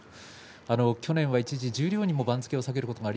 去年は一時十両にも番付を下げました。